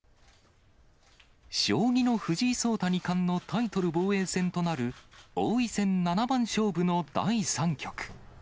将棋の藤井聡太二冠のタイトル防衛戦となる、王位戦七番勝負の第３局。